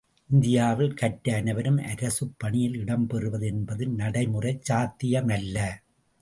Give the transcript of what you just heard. இந்தியாவில் கற்ற அனைவரும் அரசுப் பணியில் இடம் பெறுவது என்பது நடை முறைச் சாத்தியமல்ல.